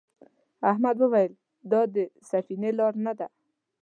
احمد وویل دا د سفینې لار نه ده.